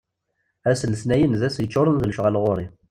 Ass n letnayen d ass yeččuṛen d lecɣal ɣur-i.